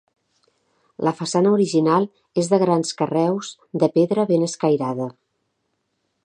La façana original és de grans carreus de pedra ben escairada.